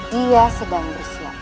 dia sedang bersiap